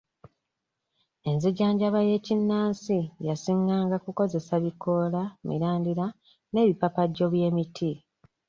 Enzijanjaba y'ekinnansi yasinganga kukozesa bikoola, mirandira n'ebipapajjo by'emiti.